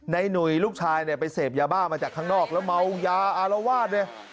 หนุ่ยลูกชายเนี่ยไปเสพยาบ้ามาจากข้างนอกแล้วเมายาอารวาสเลย